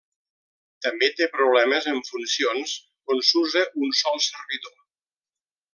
També té problemes en funcions on s'usa un sol servidor.